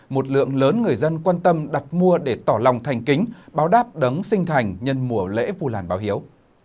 một lượng lớn người dân quan tâm đặt mua để tỏ lòng thành kính báo đáp đấng sinh thành nhân mùa lễ vu lan báo hiếu